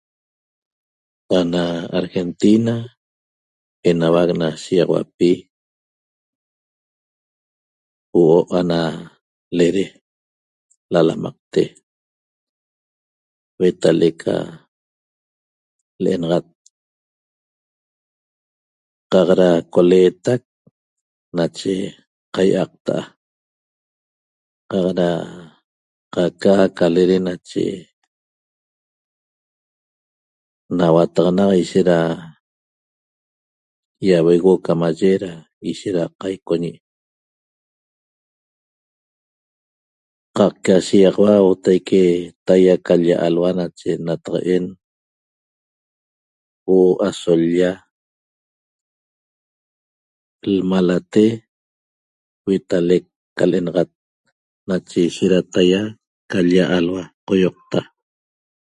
Ana argentina enahuaq ni shiguiaxauapi huoo ana lede lalamaqte huetaleq lenaxat caq da coletaq nache cayaqtaa cac da caica ca lede nache na huataxanaq ishet da iahuegueuo camaye da ishet da caiqñe cac eca shiaxaua ihuotaque tahiaa aluaa' lya nache nataqaen huoo aso lya nmalate huetaleq ca lenaxat nache ishet tahiaa calya aluaa' coyoqta